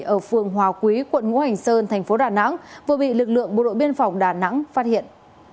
ở phường hòa quý quận ngũ hành sơn thành phố đà nẵng vừa bị lực lượng bộ đội biên phòng đà nẵng phát hiện